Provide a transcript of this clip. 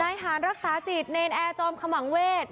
นายหารรักษาจิตเนรนแอร์จอมขมังเวศ